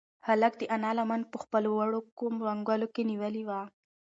هلک د انا لمن په خپلو وړوکو منگولو کې نیولې وه.